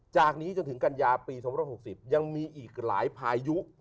จากนี้จนถึงกันยาปี๒๖๐ยังมีอีกหลายพายุ